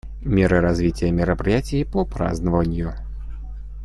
Меры в развитие мероприятий по празднованию.